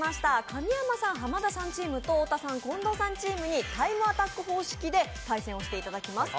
神山さん、濱田さんチームと太田さん、近藤さんチームにタイムアタック方式で対戦していただきます。